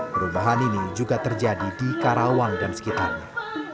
perubahan ini juga terjadi di karawang dan sekitarnya